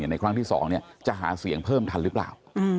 ในครั้งที่๒จะหาเสียงเพิ่มทันหรือเปล่า